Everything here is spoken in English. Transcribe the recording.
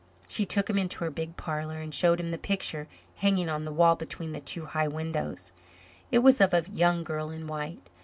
She took him into her big parlor and showed him the picture hanging on the wall between the two high windows. It was of a young girl in white.